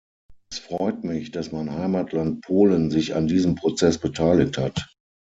Es freut mich, dass mein Heimatland Polen sich an diesem Prozess beteiligt hat.